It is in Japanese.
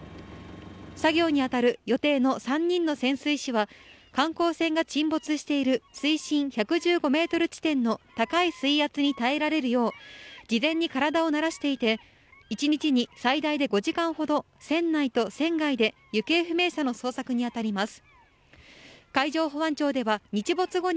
作業に当たる予定の３人の潜水士は観光船が沈没している水深１１５ｍ地点の高い水圧に耐えられるよう事前に体を慣らしていて１日に最大５時間ほど船内と船外で行方不明者の捜索に当たります。